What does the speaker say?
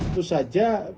itu saja penindakan